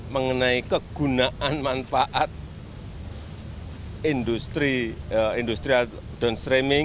mengenai kegunaan manfaat industrial downstreaming